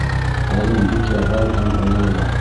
Алым бик ябай һәм уңайлы.